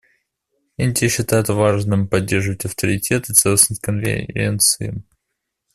Индия считает важным поддерживать авторитет и целостность Конвенции.